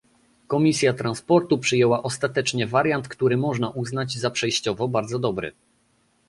Komisja Transportu przyjęła ostatecznie wariant, który można uznać za przejściowo bardzo dobry